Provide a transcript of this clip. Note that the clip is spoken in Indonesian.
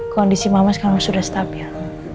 kondisi mama sekarang sudah stabil